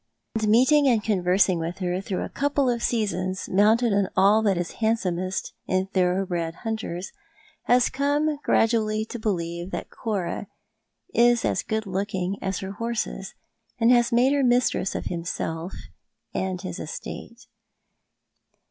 and meeting and conversing with ber through a couple of seasons mounted on all that is bandsoaiest in thorough bred hunters, has come gradually to believe that Cora is as good looking as her horses, and has made her mistress of himself and his estate.